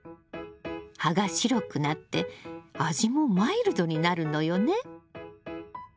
葉が白くなって味もマイルドになるのよね。